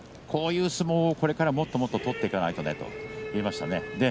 こういう相撲をこれからもっともっと取っていかないとねと言いました。